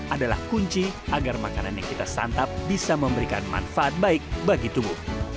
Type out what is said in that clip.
adalah kunci agar makanan yang kita santap bisa memberikan manfaat baik bagi tubuh